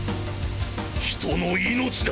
人の命だ。